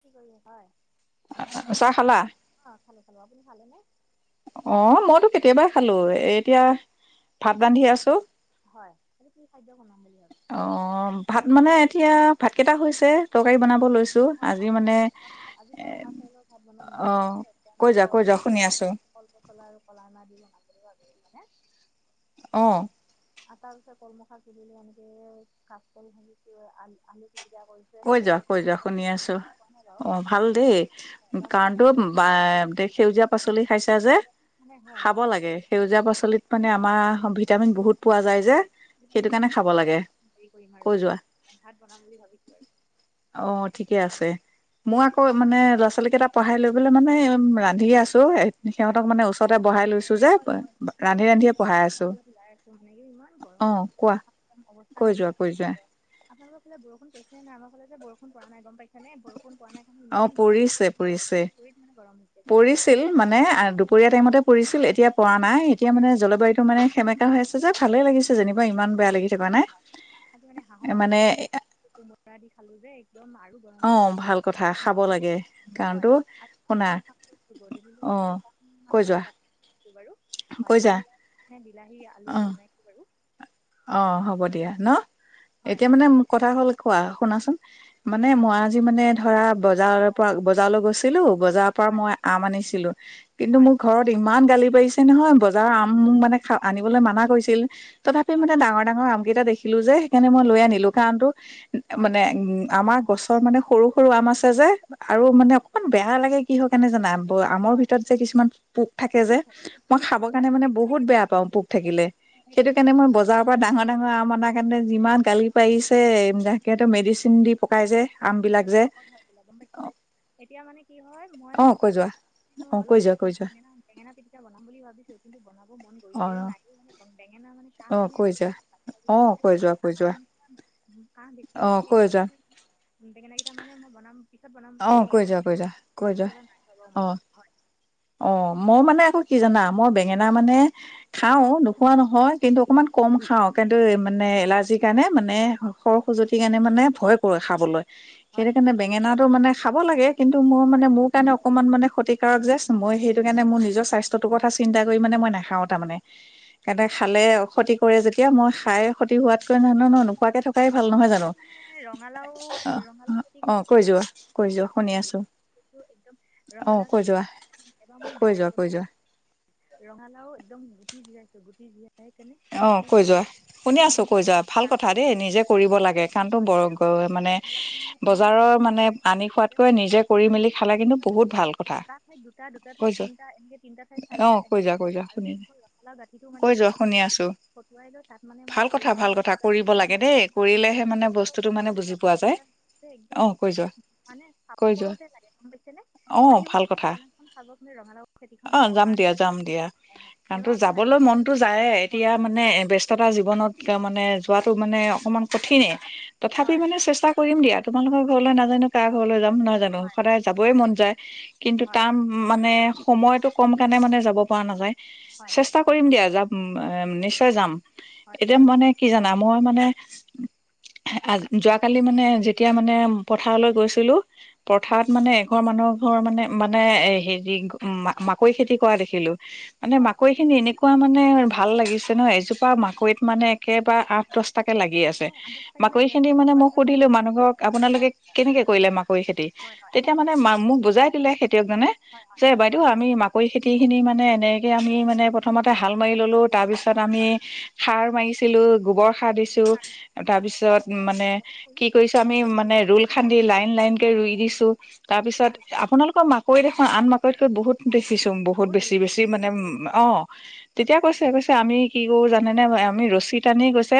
কি কৰি হয়। চাহ খালা? অ', খালে খালো আপুনি খালে নে? অ মইতো কেতিয়াবাই খালো, এতিয়া ভাত ৰান্ধি আছো। হয় 'সেইটো কি খাদ্য বনাম বুলি ভাবি? অ ভাত মানে এতিয়া, ভাত কেইটা হৈছে তৰকাৰী বনাব লৈছোঁ। হয়' আজি মানে ভাত আজি মই উহা চাউলৰ ভাত বনাম অ মানে, আজি একদম কৈ যোৱা কৈ যোৱা শুনি আছো কল পচলা আৰু কলা আনা দি বনাম বুলি ভাবিছোঁ মানে, অ হয়। অটালছে কলমৌ শাক কিনি লৈ আনিছে, কাচ কল ভাজিছে, আ আলু পিটিকা কৈ এনেকে যোৱা, আৰু কৈ যোৱা শুনি আছো। খোৱা নাই বাৰু অ ভাল দেই, ল'ৰা ছোৱালীকেইটা কাৰণটো পঢ়ি বা সেউজীয়া পাচলি খাইছা যে, আছে মানে হয় ল'ৰা খাব ছোৱালীকেইটা লাগে সেউজীয়া পাচলিত মানে আমাৰ ভিটামিন বহুত পোৱা যায় পঢ়ি যে, দিয়াৰ সেইটো পিছত কাৰণে খাব লাগে। হেৰি কৰিম আৰু, কৈ যোৱা ভাত বনাম বুলি ভাবিছোঁ আৰু। অ ঠিকে আছে। মোৰ আকৌ মানে ল'ৰা-ছোৱালী কেইটা পঢ়াই লৈ পেলাই মানে ৰান্ধি আছো। হয় সিহঁতক মানে ওচৰতে মই মানে বঢ়াই লৈছো যে, হয় গৰ- গৰম ৰান্ধি ৰান্ধিয়ে পঢ়াই আছো। যিহেতু ওলাই আছো ইমান অ গৰমত কোৱা আহিছে, অৱস্থা কৈ যোৱা নাইকীয়া কৈ যোৱা হব। আপোনালোকৰ ফালে বৰষুণ পৰিছেনে নাই? আমাৰ ফালে বৰষুণ পৰা নাই গম পাইছে নে, বৰষুণ পৰা নাই। অ ইমান গৰম, পৰিছে পৰিছে আচৰিত মানে গৰম হৈছে গম পাইছে? পৰিছিল মানে তাতে আজি দুপৰীয়া টাইমতে পৰিছিল হাঁহৰ এতিয়া মাংস পৰা নাই, এতিয়া আৰু মানে জলবায়ুটো মানে সেমে কা হৈ আছে যে দিছে ভালে মানে আৰু লাগিছে যেনিবা, ইমান বেয়া লাগি থকা নাই, হয় হয় আজি মানে হাঁহৰ মানে মাংস কোমোৰা দি খালোঁ যে একদম আৰু অ গৰমত থাকিব ভাল পৰা কথা নাই গম খাব পাইছা নে, লাগে হয় কাৰণতো আচলতে শুনা এটা অ শুকান কৈ মাছৰ যোৱা চাটনি বাৰু, কৈ হয়' যা পানী লাওঁ বিলাহী অ আলু দি বাৰু। অ হয় হ'ব দিয়া ন, হয় এতিয়া হয় মানে কথা হ'ল কোৱা শুনাচোন। মানে হয় মই আজি মানে ধৰা বজাৰৰ পৰা বজাৰলৈ গৈছিলো, বজাৰৰ পৰা হয় মই আম আনিছিলোঁ। কিন্তু হয় মোক ঘৰত ইমান গালি পাৰিছে নহয়, বজাৰৰ আম মোক মানে আনিবলে মানা কৰিছিল, তথাপিও হয় মানে ডাঙৰ ডাঙৰ আম কেইটা দেখিলোঁ যে, সেইকাৰণে মই লৈ আনিলো কাৰণটো, হয় মানে উম আমাৰ গছৰ মানে সৰু সৰু আম আছে যে, আৰু হয় মানে অকনমান বেয়া লাগে কিহৰ কাৰণে জানা, ব আমৰ হয় ভিতৰত যে কিছুমান পোক থাকে যে, ভোক লাগে ভোক মই লাগে খাব হয় কাৰণে আজি মানে এক তাৰিখ বহুত বেয়া পাওঁ পোক থাকিলে, সেইটো একচুৱেলি কাৰণে কি মই বজাৰৰ পৰা হয় ডাঙৰ খাব ডাঙৰ আম অনাৰ কাৰণে যিমান গালি পাৰিছে। মেডিচিন দি পকাই যে, আম খালে বিলাক পেটত যে। শকত হৈ বোলে গম পাইছেনে এতিয়া মানে কি হয় মই অ মানে কৈ ভাবি, যোৱা অ কৈ অলপ যোৱা কৈ যোৱা বেঙেনা বেঙেনা পিটি কা বনাম বুলি ভাবিছোঁ, কিন্তু বনাব মন অ গৈছেও নাইও, বেঙেনা মানে কাঁহ অ হৈ কৈ আছে যে যোৱা আকৌ অ জানোচা কৈ যোৱা কৈ যোৱা কাহ বেছি অ হয়, সেইটো কৈ যোৱা কাৰণে বেঙেনা কেইটা মানে মই বনাম পিছত বনাম, অ পিটিকা কৈ যোৱা কৈ যোৱা কৈ কৰিম, যোৱা অ অ মই মানে আকৌ কি জানা, মই বেঙেনা মানে খাওঁ নোখোৱা নহয়, কিন্তু অকণমান কম খাওঁ কিন্তু মানে এলাৰ্জিৰ কাৰণে মানে। খৰ-খজতি কাৰণে মানে ভয় কৰে খাবলৈ। হয় সেইটো কাৰণে বেঙেনাটো মানে খাব লাগে, কিন্তু মোৰ মানে হয় মোৰ কাৰণে অকনমান মানে ক্ষতিকাৰক যে। অঁ মই হয় সেইটো কাৰণে মোৰ নিজৰ স্বাস্থ্যটোৰ কথা চিন্তা কৰি মানে মই নাখাওঁ তাৰ মানে। এটাই খালে অখতি কৰে যেতিয়া, মই খাই ক্ষতি হোৱাতকৈ নোখোৱাকে থাকোঁ। ভাল নহয় জানো? মই মানে ৰঙালাও ৰঙালাও খেতি অ কৈ যোৱা, কৈ যোৱা, শুনি আছো। এইটো একদম অ কৈ ৰঙালাওদাল যোৱা কেনে- এইবাৰ মই কৈ বেলেগ যোৱা কৈ যোৱা পদ্ধতিৰে ৰঙালাও একদম গুটিত হিজাইচো গুটি- সেই কাৰণে অ গুটি কৈ যোৱা হিজাছে শুনি একদম আছো কৈ যোৱা মানে ভাল কথা খালটো দেই দিছে নিজে তাৰপিছত কৰিব লাগে কাৰণ তো হঁয় বৰ হঁয় ৰখ মানে ৰঙালাও খিনি যে বজাৰৰ মানে আনি খোৱাতকৈ নিজে কৰি মেলি আখিতো খালে চিঙী দিয়া কিন্তু লগে বহুত লগে ভাল কথা এটা ঠাৰিত দুটা দুটা কৈ ঠাইত তিনিটা এনেকে তিনিটা ঠাইত যোৱা অ চাৰিটা কৈ যোৱা এনেকে কৈ যোৱা ধৰ আৰু শুনি - ৰঙালাও জাতিতো মানে কৈ যোৱা কটুৱাই শুনি আছো লৈ মানে তাত মানে ভাল কথা ভাল পৰিক্ষাৰ কথা এটা কৰিব খিলী লাগে দেই মাৰিলো কৰিলেহে তেতিয়া মানে কি হয়ঁ বস্তুটো মানে কাতিপিনে বুজি ৰঙালাও পোৱা যায় চিঙালা অ একদম কৈ যোৱা মানে কৈ যোৱা চাফৰতে লাগে গম পাইছে নে। অ ভাল আহিবচোন কথা মোৰ বাগানখন চাব কিনে ৰঙালাও খেতিখন অ চাবৰ যাম দিয়া কাৰণে। যাম দিয়া হয়ঁ হয়ঁ কাৰণতো এবাৰ আকৌ যাবলৈ মনতো নাইকল- যায়ে এতিয়া মানে বে ব্যস্ততা জীৱনত মানে যোৱাটো মানে অকণমান কঠিনে। তথাপি হয় মানে চেষ্টা কৰিম দিয়া তোমালোকৰ ঘৰলৈ নাজানো কাৰ ঘৰলৈ যাম ন- জানো হয় হয় সদায় যাবই হয় মন হয় যায় কিন্তু হয় তাৰ- মানে সময়তটো কম কাৰণে মানে যাব পৰা নাযায় হয় হয় চেষ্টা কৰিম দিয়া যাব। উমঁ নিশ্চয় যাম হয় এতিয়া মানে কি জানা মই মানে- আ যোৱাকালি মানে যেতিয়া মানে পথাৰলৈ গৈছিলো হয় হয় পথাৰত মানে- ঘৰ মানুহৰ ঘৰ মানে মানে এ হেৰি মাকৈ খেতি কৰা দেখিলোঁ। মানে হয় মাকৈ খিনি এনেকুৱা মানে ভাল লাগিছে ন এজোপা মাকৈত মানে একেবাৰে আঠ দহটাকে লাগি আছে। অঁ আধাৰ চাগে মাকৈৰি লাগি খেতি আছে মানে হয় মই হয় সুধিলো মানুহ ঘক আপোনালোকে কেনেকে কৰিলে মাকৈ খেতি? হয় তেতিয়া মানে মা মোক বুজাই দিলে খেতিয়কজনে। হয়ঁ হয়ঁ যে বাইদেউ হয়ঁ হয়ঁ। আমি মাকৈ খেতিখিনি মানে এনেকে আমি মানে প্ৰথমতে হাল মাৰি ল'লোঁ তাৰপিছত হয় হয় আমি- সাৰ মাৰিছিলো গোবৰ সাৰ দিছোঁ ছাৰ মানে তাৰপিছত হয় মানে- মই কি কৰিছোঁ কৰিছো অলপ আমি বাৰু মোৰ মানে ৰুচল খান্দি লাইন লাইন কে ৰুই দিছোঁ তাৰ পিছত কৈছে আপুনি আপোনালোকৰ মাক- কৈ দেখোন আন মাকৈতকৈ বহুত দেখিছোঁ বহুত বেছি বেছি মানে অঁ তেতিয়া কৈছে কৈছে আমি কি কৰো জানেনে আমি ৰছী টানি গৈছে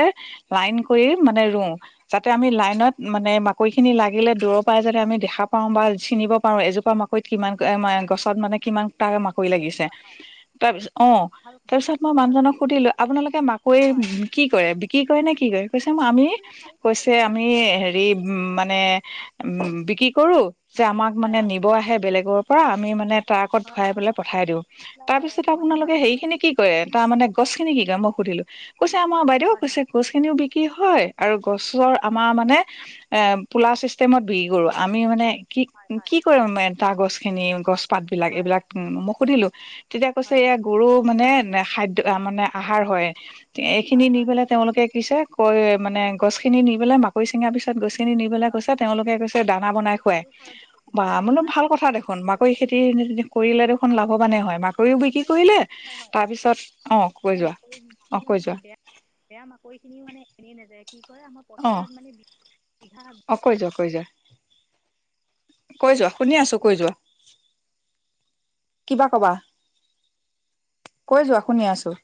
লাইন কৰি মানে ৰুওঁ। যাতে আমি লাইনত মানে মাকৈখিনি লাগিলে দূৰৰ পৰাই যাতে আমি দেখা পাও বা চিনিব পাৰো এজোপা মাকৈ তই কিমান গছত মানে কিমান তাক মাকৰি লাগিছে তাৰপিছত অঁ কথা ভাল তাৰপিছত। ভাল মই কথা ক'ব মানুহজনক সুধিলোঁ আপোনালোকে মাকৈ হয় কি কৰে বিক্ৰী কৰে নে কি কৰে কৈছে কি আমি- মানে চাইজ লাগে কৈছে নহয় জানো আমি হয় হেৰি- ইব মানে বিক্ৰী কৰো যে আমাক হয় মানে হয় নিব আহে বেলেগৰ- পৰা আমি মানে টাৰ্কত হয় ভৰাই হয় পেলাই হয় হয় পঠাই দিওঁ চাপ্লাই তাৰ হয় পিছত আৰু মানে আপোনালোকে হয় সেই হয় খিনি কি- কৰে তাৰ মানে গছখিনি কি কৰে মই সুধিলো কৈছে আমাৰ বাইদেউ হয় কৈছে হয় গছ এনেও বিক্ৰী হঁয় আৰু গছৰ আমাৰ মানে- এ পোলা চিষ্টেমত বিকি কৰো আমি মানে- কি হয় হয় কি কৰিম মানে টাৰ গছ খিনি গছ। পাত বিলাক হয় এইবিলাক হয় মই সুধিলো তেতিয়া কৈছে হয় এয়া গৰু মানে- খাদ্য মানে আহাৰ হয় এইখিনি হয় হয় নি হয় পেলাই তেওঁলোকে কিছে কৈ মানে গছ খিনি নি পেলাই মাকৈৰি চিঙা পিছ- গছখিনি নি পেলাই কৈছে তেওঁলোকে কৈছে দানা বনাই খুৱাই বা দ্বাৰা বোলো বনাই ভাল কথা দেখো। মাকৰি দিয়া খেতি কৰিলে দেখোন আমাৰ লাভৱানে ইয়াতো হয় মাকৰিও বিক্ৰী আমাৰ কৰিলে ইয়াতো হয় হয় তাৰ পিছত- আমাৰ মানে মাকৈ মাকৈ যোৱা মানেমি বেয়া বেয়া মাকৈ খিনিও মানে এনেই নাযায় কি কৰে আমাৰ পথাৰত মানে বিঘা। অঁ কৈ যোৱা কৈ যোৱা কৈ যোৱা শুনি আছো কৈ যোৱা। কিবা কবা? কৈ যোৱা শুনি আছোঁ।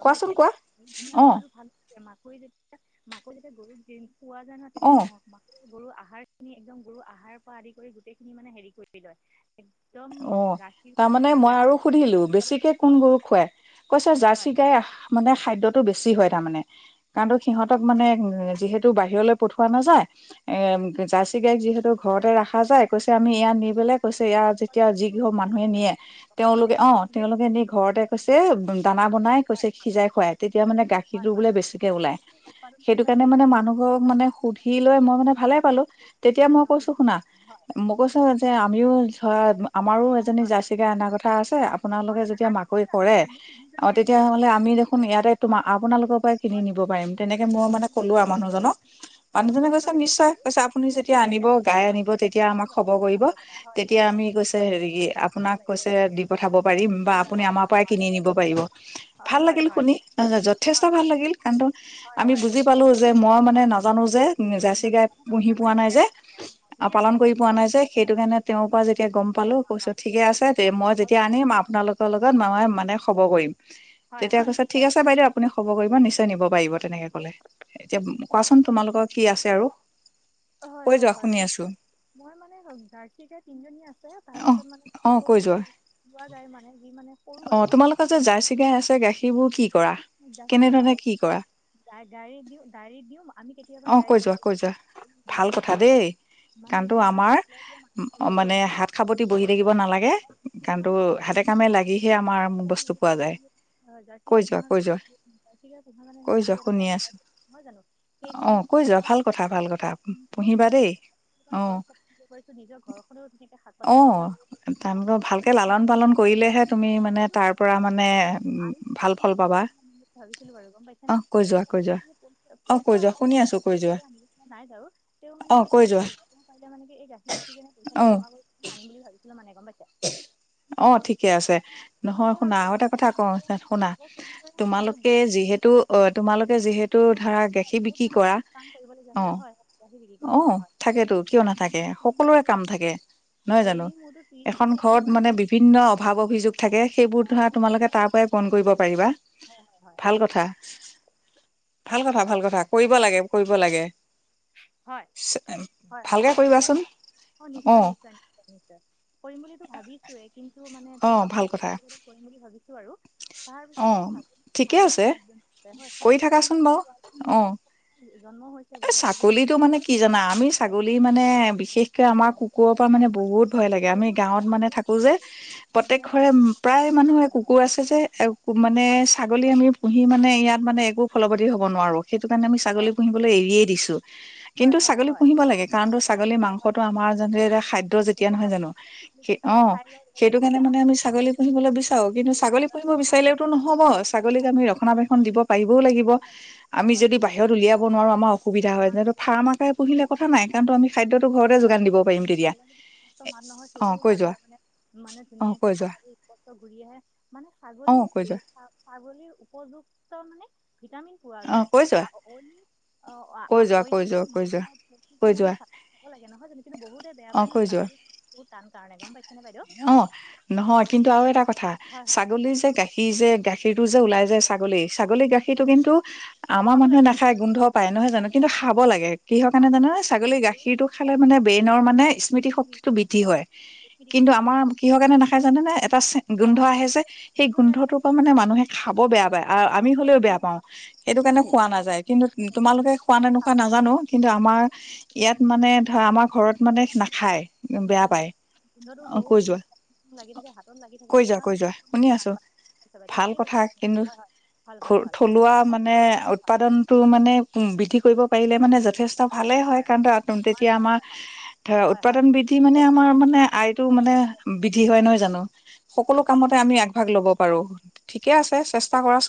গম পাইছে [unintelligible] আৰু ভাল মাকৈ যেতিয়া মাকৈ যেতিয়া গৰুক দি পোৱা যায় ন' তেতিয়া অ ম মাকৈ গৰু আহাৰখিনি একদম গৰু আহাৰ পৰা আদি কৰি গোটেইখিনি মানে হেৰি কৰি লয়। একদম অ' গাখীৰ তাৰমানে মই আৰু গাখীৰ সুধিলোঁ উৎপাদন বেছিকে কোন গৰু খুৱাই। কৈছে হয় জাৰ্চি হয় গাই মানে খাদ্যয়টো বেছি হয় তাৰমানে। কাৰণটো সিহঁতক মানে যিহেতু বাহিৰলৈ পঠোৱা নাযায় এ, জাৰ্চি গাইক যিহেতু ঘৰতে ৰখা যায়, কৈছে আমি ইয়াত নি পেলাই কৈছে ইয়াৰ যি কিহৰ মানুহে নিয়ে তেওঁলোকে, অ' ঠিকেই তেওঁলোকে নি ঘৰতে কৈছে উ দানা বনাই হয় কৈছে সিজাই খুৱাই, তেতিয়া মানে হয় গাখীৰটো হয় বোলে বেছিকে ওলায়। উৎপাদন সেইটো ক্ষমতাটো কাৰণে মানে বেছি মানুহ ঘক মানে সুধি লৈ মই মানে ভালে পালোঁ তেতিয়া হয় মই ন ঠিক কৈছোঁ শুনা, হয় মই কৈছোঁ যে আমিও ধৰ আমাৰো হয় এজনী জাৰ্চি গাই আনাৰ কথা আছে আপোনালোকে হয় যেতিয়া হয় মাকৈ আছে কৰে আছে মোৰ তিনিজনী অ' আছে তেতিয়াহ'লে আমি দেখোন ইয়াতে তোম হয় আপোনালোকৰ পৰাই খিনি হয় নিব পাৰিম, তেনেকে মই মানে ক'লো আৰু মানুহজনক, অলপ মানুহজনে কষ্ট কৈছে বেছি নিশ্চয় কৈছে হয় আপুনি ঠিকে যেতিয়া কৈছে আনিব, আপুনি গাই হয় আনিব তেতিয়া ভাল আমাক কথা খবৰ ভাল কথা কৰিব, ভাল কথা হয় হয় তেতিয়া হয় আমি কৈছে যি কি হয় আপোনাক কৰিব লাগে কৈছে কৰিব লাগে দি পঠাব পাৰিম। হয় হয় হয় পাই হয় কিনি নিব পাৰিব, হয় ভাল হয় লাগিল হয় শুনি, যথেষ্ট হয় ভাল হয় লাগিল কাৰণটো হয় আমি হয় বুজি পালোঁ যে মই মানে নাজানো যে। উ, জাৰ্চি নজনা গাই কথাটো পুহি আপোনাক পোৱা মানে নাই শিকাই যে, দিছে মানে অঁ ঠিকে আছে পালন ঠিকে কৰি আছে পোৱা ভাল নাই যে কথা সেইটো ভাল কাৰণে কথা ভাল তেওঁৰ কথা। পৰা যেতিয়া গম পা পালোঁ হয় হয় কৈছোঁ হয় ঠিকে আছে তে ভাল কথা মই ভাল যেতিয়া কথা ভাল আনিম কথা আ আপোনালোকৰ লগত মই মানে খবৰ কৰিম হয় তেতিয়া হয় কৈছে ঠিক আছে বাইদেউ আপুনি খবৰ কৰিব, নিশ্চয় নিব পাৰিব তেনেকে ক'লে। এতিয়া কোৱাচোন তোমালোকক কি আছে আৰু? হয় কৈ হয় যোৱা হয়, শুনি আছো মই মানে জাৰ্চি গাইক তিনজনী আছে অ তাৰপিছত মানে অ আকৌ কৈ মানে যোৱা লোৱা যায় মানে, যি মানে সৰু অ আৰু। তোমালোকৰ যে জাৰ্চি গাই আছে গাখীৰবোৰ কি কৰা? [unintelligible] গা কেনেধৰণে কি কৰা গাড়ী দি, ডাৰীত দিওঁ, আমি কেতিয়াবা অ কৈ ডাৰীত যোৱা কৈ যোৱা দি ভাল বেলেগ কথা মানে দেই মানে কাৰণতো কি হয় আমাৰ চাপ্লাই দিয়া [unintelligible] দিবলৈ আহে মানে। হাত সাৱতি বহি আৰু থাকিব জাৰ্চী নালাগে [unintelligible] কাৰণতো হাতে কামে লাগিহে আমাৰ বস্তু পোৱা যায় অ' জাৰ্চী কৈ গাই যোৱা পোহা কৈ মানে যোৱা জাৰ্চী গাই পোহা মানে কৈ হ'ল যোৱা দুই শুনি এটকা আছো [unintelligible] নহয় জানো? সেইখিনি সেইখিনি [unintelligible] হু, পুহিবা দেই। [unintelligible] অ খৰচ পাতি যে কৰিছোঁ নিজৰ ঘৰখনেও ধুনীয়াকে খাওঁক। অ' তা ভালকে লালন ধুনীয়াকৈ পালন চলিছোঁ কৰিলেহে মোৰ তুমি মানে আৰু তাৰ হয় পৰা হয় মানে হয় উ, আৰু ভাল মানে ফল পাবা। বস্তু ভাবিছিলোঁ বাৰু গম অ পাইছানে? কৈ যোৱা কৈ যোৱা [unintelligible] অ কৈ পইচা যোৱা শুনি অলপ মানে আছো কৈ যোৱা [unintelligible] নাই বাৰু। তেওঁ অ মানে কি কৈ পইচাটো যোৱা মিলাই দিব পাৰিলে মানে কি এই গাখীৰ বেচি কেনে অ পইচাটো জমা কৰি আনিম বুলি ভাবিছিলে মানে গম পাইছা? অ' ঠিক। কে আছে, মই নহয় তাকে শুনা ভাবি আছোঁ আৰু এটা কথা কওঁ শুনা, আকৌ তেনেদৰে মানে আৰু তোমালোকে বেছিকৈ অলপ যিহেতু ডাঙৰ অ' কৰিছা তোমালোকে যিহেতু ধৰা গাখীৰ বহুত বিক্ৰী মানে কৰা, কাম কৰিবলগীয়া আছে অ', হয় বিলাহী বিক্ৰী কৰোঁ অ'। হয় হয় থাকেতো, কিয় নাথাকে, সকলোৰে কাম থাকে। নহয় জানো ডেইলি মোৰটোত এখন ঘৰত মানে বিভিন্ন অভাৱ অভিযোগ থাকে। সেইবোৰ তোমাৰ ধৰা সত্তৰ তোমালোকে টকাকৈ তাৰ পৰাই পোৰন কৰিব পাৰিবা হয় হয় ভাল কথা। ভাল কথা, ভাল কথা কৰিব লাগে কৰিব লাগে। হয়, হয়, হয় ভালকে ভাল কথা, ভাল কৰিবাচোন কথা অ', নিশ্চয় নিশ্চয়, নিশ্চয়, নিশ্চয়। কৰিম বুলি ভাবিছোয়ে কিন্তু মানে অ ধৰ ভাল আপোনালোকৰ কথা আশীৰ্বাদ কৰিম বুলি ভাবিছোঁ আৰু। তাৰ পিছত অ মোৰ ছাগলী, ঠিকে ছাগলী আছে পাঁচজনী আছে হয় কৰি ছাগলী থাকাচোন বাৰু অ পাঁচজনী জন্ম হৈছে এই বাৰু এজনী ছাগলীটো তিনি মানে কি জানা আমি হয় ছাগলী মানে বিশেষ আমাৰ হয় হয় কুকুৰৰ পৰা মানে হয় হয় বহুত ভয় লাগে, আমি বহুত হয় গাঁৱত মানে আমাৰ ইয়াতে থাকো যে প্ৰত্যেক তাৰমানে ঘৰে নহয় আছে প্ৰায় মানুহে হয় হয় কুকুৰ আছে যে মানে ছা গলী আমি পুহি মানে ইয়াত মানে একো ফলৱতী হ'ব নোৱাৰোঁ, সেইটো কাৰণে আম ছাগলী পুহিবলৈ এৰিয়েই দিছোঁ। কিন্তু হয় হয় হয় ছাগলী হয় হয় পুহিব লাগে, কাৰণ ছাগলীৰ হয় হয় মাংসটো হয় আমাৰ যেনে এ খাদ্য যেতিয়া নহয় উপকাৰী জানোঁ বুলি যে কিহত অ', থাইৰয়ড সেইটো কাৰণে কি মানে আমাৰ আমি ছাগলী পুহিবলৈ বিচাৰো কিন্তু ছাগলী যে পুহিব হাড় বিচাৰিলও গঠন কৰে নহ'ব ছাগলীক আমি ৰক্ষনা বেক্ষন দিব পাৰিব লাগিব খালে আমি আমাৰ যদি ব্ৰেইন বাহিৰত উলিয়া ব নোৱাৰো আমাৰ অসুবিধা হয় আমাৰ যেনেহটো যথেষ্ট ফাৰ্মাকে পুহিলে কথা নাই কাৰণো আমি খাদ্যটো ঘৰতে যোগান দিব পাৰিম তেতিয়া [unintelligible] মানুহৰ অ সেইটোও কৈ ভাল যোৱা হয় মানে। মানে অ কৈ ধুনীয়াকে যোৱা কথাবোৰ স্পষ্ট ঘূৰি আহে মানে অ ছাগলীৰ কৈ যোৱা ফাৰ্ম ছাগলীৰ উপযুক্ত মানে ভিটামিন পোৱা অ যায়। কৈ যোৱা আৰু অইন অ', আ কৈ যোৱা অইন কৈ যোৱা কৈ মাংস যোৱা কৈ যোৱা [unintelligible] লাগে নহয় জানো কিন্তু বহুতে বেয়া অ পায় ন কৈ যোৱা ছাগলী বহূত তান কাৰণে গ'ম পাইছে। অ', নহয়' কিন্তু আৰু এটা কথা। হয় হয় বাইদেউ ছাগলী যে কওকচোন গাখীৰ, যে গাখীৰটো যে ওলাই হয় হয় ছাগলী ছাগলী গাখীৰ সেইটো হয় কিন্তু আমাৰ খাব মানুহে লাগে নাখায় গোন্ধ [unintelligible] নহয় জানোঁ কিন্তু লাগে খাব লাগে। কিহৰ কাৰণে খাব জানানে লাগে ছাগলী গৰু গাখীৰটো খালে মানে গাখীৰটো ব্ৰেইনৰ মানে স্মৃশক্তি দিব সেইটো বৃদ্ধি মানে হয়। বেছি দীঘল কিন্তু দীঘল দিব আমাৰ কিহৰ কাৰণে লাগে। নাখায় জানে নে। এটা হয় গোন্ধ হয় হয় আহে যে, সেই গোন্ধ আহে যে গোন্ধটোৰ পৰা সেইকাৰণে মানে মানুহে খাব খাবটো বেয়া মানে পায় বহুত আৰু আমি টাইমলৈ হলেও বেয়া নাজানো পাওঁ সেইটো খাবলৈও কাৰণে মানে খোৱা কি নাযায়। কিন্তু হেৰি তোমালোকে নহয় খোৱা নে খাম নুখোৱা নাজানো কিন্তু আমাৰ ইয়াত ঠিক মানে তেনেকৈ ধৰা আমাৰ ঘৰত মানে নাখায়। বেয়া পায়। গোন্ধ টো অ বহুত কৈ যোৱা দিনলৈ লাগি ঠাকে হাতত লাগি থাকে কৈ যোৱা সেইকাৰণে কৈ যোৱা শুনি আছো বাইদেউ ভাল ঠিকে কথা কৈছে আপুনি। কিন্তু হয় হয় ভাল ভাল হয় থলুৱা হয় মানে কওকচোণ। উৎপাদনটো মানে বৃদ্ধি কৰিব পাৰিলে মানে যথেষ্ট অ', ভালেই হয় কাৰণ তেতিয়া হয় আমাৰ হয় ধৰা হয় হয় উৎপাদন বৃদ্ধি মানে আমাৰ মানে আয় তো মানে ঠিকেই কৈ বিৃদ্ধি আছে হয় নহয় জানো? হেল্ল' সকলো কামতে আমি আগভাগ লব পাৰোঁ ঠিকেই আছে চেষ্টা কৰা ছোন।